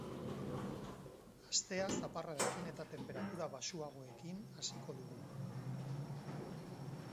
Astea zaparradekin eta tenperatura baxuagoekin hasiko dugu.